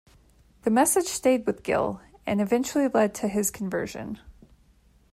The message stayed with Gill and eventually led to his conversion.